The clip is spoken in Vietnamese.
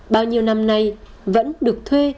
bao nhiêu năm nay vẫn được thuê